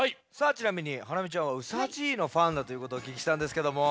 ちなみにハラミちゃんはうさじいのファンだということをおききしたんですけども。